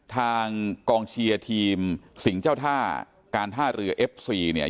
ทางกองเชียร์ทีมสิงห์เจ้าท่าการท่าเรือเอฟซีเนี่ย